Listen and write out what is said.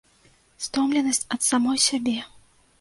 Стомленасць ад самой сябе.